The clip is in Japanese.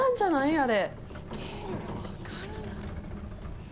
あれ。